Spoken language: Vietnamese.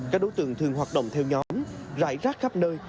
các đối tượng thường hoạt động theo nhóm rải rác khắp nơi